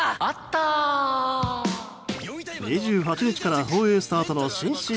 ２８日から放映スタートの新ＣＭ。